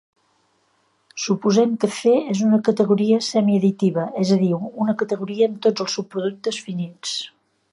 Suposem que C és una categoria semiadditiva, és a dir una categoria amb tots els subproductes finits.